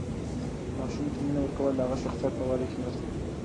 ماشوم ته مینه ورکول د هغه د شخصیت په وده کې مرسته کوي.